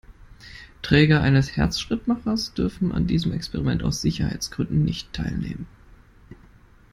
Träger eines Herzschrittmachers dürfen an diesem Experiment aus Sicherheitsgründen nicht teilnehmen.